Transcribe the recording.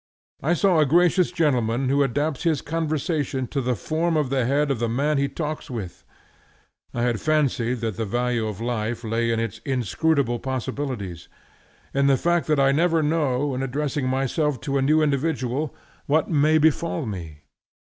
I saw a gracious gentleman who adapts his conversation to the form of the head of the man he talks with! I had fancied that the value of life lay in its inscrutable possibilities; in the fact that I never know, in addressing myself to a new individual, what may befall me.